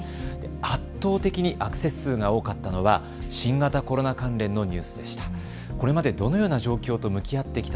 圧倒的にアクセス数が多かったのは新型コロナ関連のニュースでした。